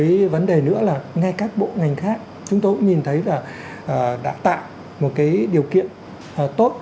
cái vấn đề nữa là nghe các bộ ngành khác chúng tôi cũng nhìn thấy là đã tạo một cái điều kiện tốt